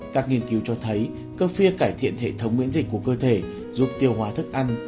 các nghiên cứu cho thấy cơ phi cải thiện hệ thống miễn dịch của cơ thể giúp tiêu hóa thức ăn